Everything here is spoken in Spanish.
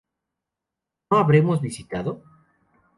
¿No habremos visitado?